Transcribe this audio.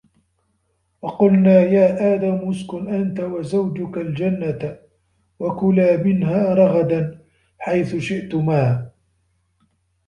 وَقُلْنَا يَا آدَمُ اسْكُنْ أَنْتَ وَزَوْجُكَ الْجَنَّةَ وَكُلَا مِنْهَا رَغَدًا حَيْثُ شِئْتُمَا